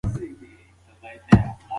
هغه څوک عادل دی چې د بل حق نه خوري.